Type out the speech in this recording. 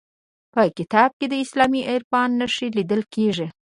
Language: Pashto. په کتاب کې د اسلامي عرفان نښې لیدل کیږي.